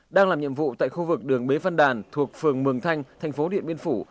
đang làm nhiệm vụ tại khu vực đường bế phân đàn thuộc phường mường thanh tp điện biên phủ